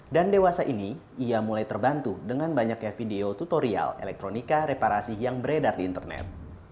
dan dewasa ini ia mulai terbantu dengan banyaknya video tutorial elektronika reparasi yang beredar di internet